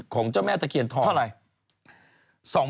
ของเจ้าแม่ตะเคียนทอง